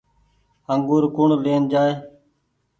انگور ڪوڻ لين جآئي ۔